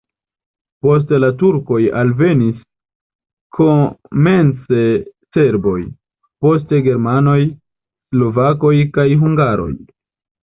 Post la turkoj alvenis komence serboj, poste germanoj, slovakoj kaj hungaroj.